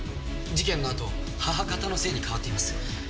事件のあと母方の姓に変わっています。